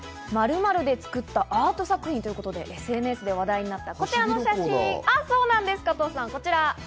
○○で作ったアート作品ということでＳＮＳで話題になったこちらの写真。